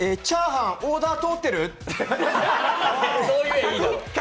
チャーハンオーダー通ってるって。